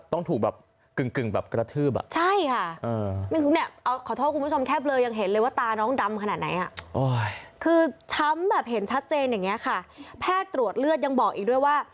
ต้องถูกแบบกึ่งกระทืบอะ